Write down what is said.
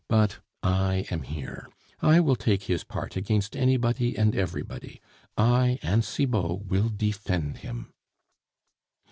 But I am here; I will take his part against anybody and everybody!... I and Cibot will defend him."